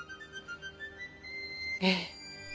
ええ。